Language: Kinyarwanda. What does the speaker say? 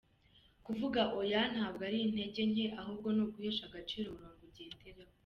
Kuvuga ‘oya’ ntabwo ari intege nke ahubwo ni uguhesha agaciro umurongo ugenderaho.